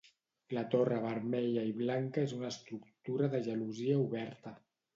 La torre vermella i blanca és una estructura de gelosia oberta.